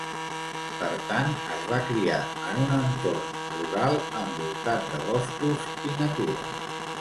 Per tant, es va criar en un entorn rural envoltat de boscos i natura.